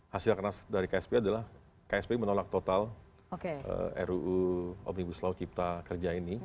hasil keras dari ksp adalah kspi menolak total ruu omnibus law cipta kerja ini